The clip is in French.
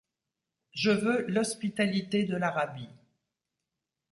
Je veux l’hospitalité de l’Arabie.